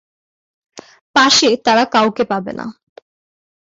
পাশে তারা কাউকে পাবে না।